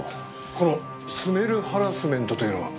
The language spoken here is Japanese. この「スメルハラスメント」というのは？